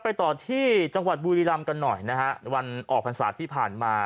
ไปต่อที่จังหวัดบุรีรำกันหน่อยนะฮะวันออกพรรษาที่ผ่านมา